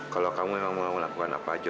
kalau kamu memang mau lawan asma